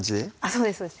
そうですそうです